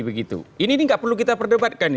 ini tidak perlu kita perdebatkan